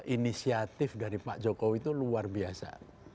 inisiatif dari pak jokowi itu luar biasa